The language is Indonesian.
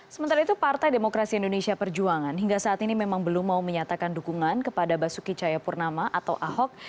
sementara itu partai demokrasi indonesia perjuangan hingga saat ini memang belum mau menyatakan dukungan kepada basuki cahayapurnama atau ahok